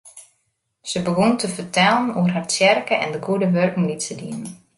Se begûn te fertellen oer har tsjerke en de goede wurken dy't se dienen.